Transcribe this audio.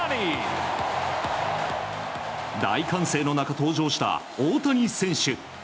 大歓声の中、登場した大谷選手。